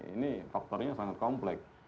ini faktornya sangat kompleks